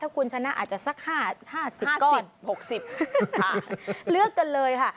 ถ้าคุณชนะอาจจะสักห้าห้าสิบก้อนหกสิบต่อหลือกันเลยค่ะ